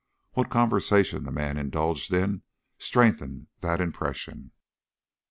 What conversation the man indulged in strengthened that impression.